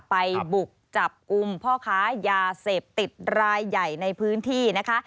ไปบุกจับกลุ่มพ่อค้ายาเสพติดรายใหญ่ในพื้นที่นะคะ